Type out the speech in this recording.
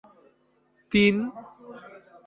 তিন